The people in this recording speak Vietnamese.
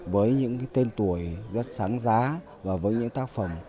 với những tên tuổi rất sáng giá và với những tác phẩm